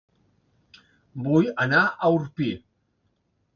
Vull anar a Orpí